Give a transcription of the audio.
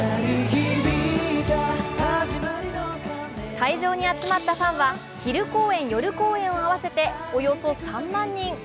会場に集まったファンは昼公演・夜公演を合わせておよそ３万人。